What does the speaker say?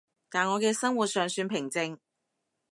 但我嘅生活尚算平靜